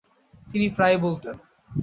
তিনি প্রায়ই বলতেন —